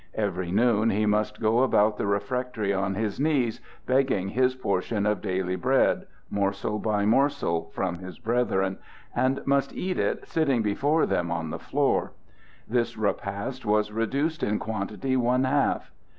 Every noon he must go about the refectory on his knees, begging his portion of daily bread, morsel by morsel, from his brethren, and must eat it sitting before them on the floor. This repast was reduced in quantity one half.